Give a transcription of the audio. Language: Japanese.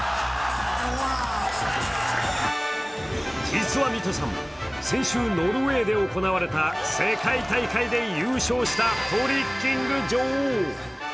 実は弥都さん、先週、ノルウェーで行われた世界大会で優勝したトリッキング女王。